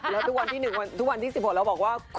แล้วทุกวันที่๑๖เราบอกว่า